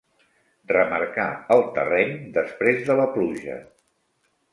Remarcar el terreny després de la pluja.